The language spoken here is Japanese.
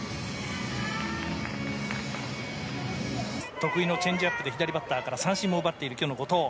得意のチェンジアップで左バッターから三振も奪っている今日の後藤。